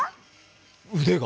腕が？